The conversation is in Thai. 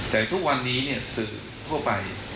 แต่ทุกวันนี้สื่อทั่วไป